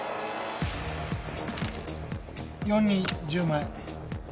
４に１０枚。